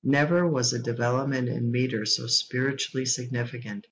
Never was a development in metre so spiritually significant.